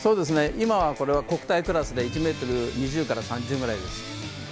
今、これは国体クラスで１ｍ２０から３０です。